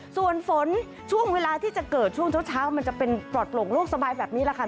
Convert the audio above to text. ส่วนฝนช่วงเวลาที่จะเกิดช่วงเช้ามันจะเป็นปลอดโปร่งโลกสบายแบบนี้แหละค่ะ